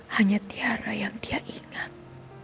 hanya tiara yang dia ingat